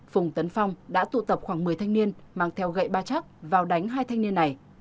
phùng tấn phong đã tụ tập khoảng một mươi thanh niên mang theo gậy ba chắc vào đánh hai thanh niên này